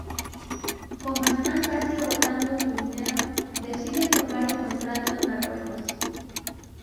Como están casi agotando su dinero, deciden tomar el contrato en Marruecos.